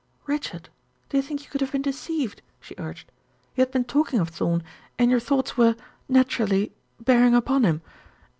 "Richard, do you think you could have been deceived?" she urged. "You had been talking of Thorn, and your thoughts were, naturally bearing upon him.